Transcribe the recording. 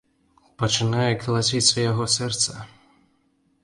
Пачынае калаціцца яго сэрца.